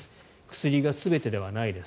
薬が全てではないです。